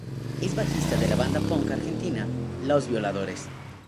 Es bajista de la banda punk argentina, Los Violadores.